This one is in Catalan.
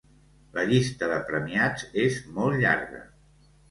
La llista de premiats és molt llarga.